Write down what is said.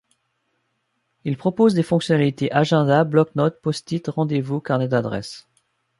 Ils proposent des fonctionnalités agenda, bloc-notes, post-it, rendez-vous, carnet d'adresses.